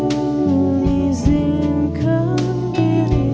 aku yang bisa ku lupakan